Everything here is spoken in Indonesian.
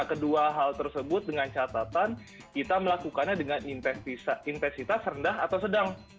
kedua hal tersebut dengan catatan kita melakukannya dengan intensitas rendah atau sedang